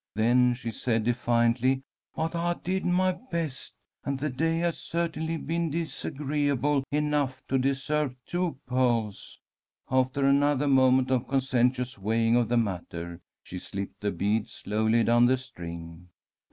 Then she said, defiantly: "But I did my best, and the day has certainly been disagreeable enough to deserve two pearls." After another moment of conscientious weighing of the matter, she slipped the bead slowly down the string.